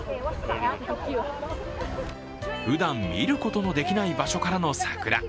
ふだん見ることのできない場所からの桜。